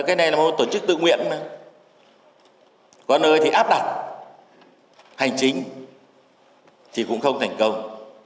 cái này là một tổ chức tự nguyện mà có nơi thì áp đặt hành chính thì cũng không thành công